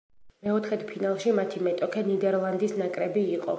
მეოთხედფინალში მათი მეტოქე ნიდერლანდის ნაკრები იყო.